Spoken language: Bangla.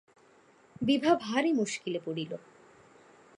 বিভা ভারি মুশকিলে পড়িল।